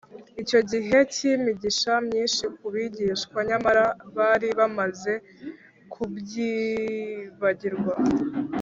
” icyo cyari igihe cy’imigisha myinshi ku bigishwa, nyamara bari bamaze kubyibagirwa